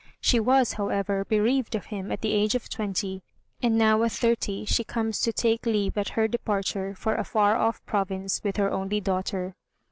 She was, however, bereaved of him at the age of twenty; and now at thirty she comes to take leave at her departure for a far off province with her only daughter.